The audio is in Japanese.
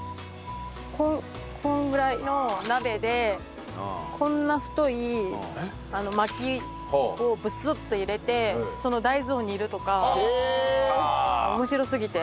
このぐらいの鍋でこんな太い薪をブスッと入れてその大豆を煮るとか。